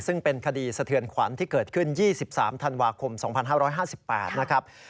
ซึ่งเป็นคดีสะเทือนขวัญที่เกิดขึ้น๒๓ธันวาคม๒๕๕๘นะครับ